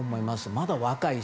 まだ若いし。